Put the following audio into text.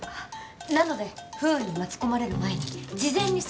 なので不運に巻き込まれる前に事前に備えを。